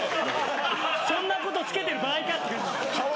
そんなこと着けてる場合かっていう。